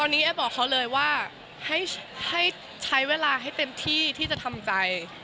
วันนี้แอฟบอกเขาเลยว่าให้ใช้เวลาให้เต็มที่ที่จะทำใจ